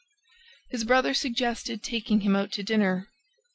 His brother suggested taking him out to dinner.